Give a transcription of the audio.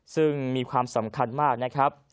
ซึ่งมีความสำคัญมาก